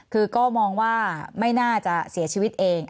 คือก็มองว่าไม่น่าจะเสียชีวิตเอง